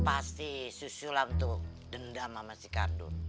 pasti si sulam itu dendam sama si kardun